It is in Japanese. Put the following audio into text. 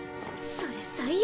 それ最悪。